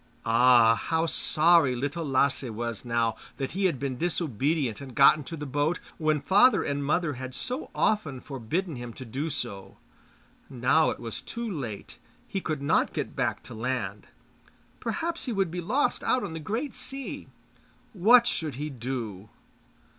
Ah! how sorry Little Lasse was now that he had been disobedient and got into the boat, when father and mother had so often forbidden him to do so! Now it was too late, he could not get back to land. Perhaps he would be lost out on the great sea. What should he do?